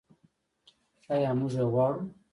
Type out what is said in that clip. آیا موږ یې غواړو؟